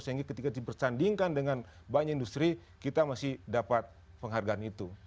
sehingga ketika dipersandingkan dengan banyak industri kita masih dapat penghargaan itu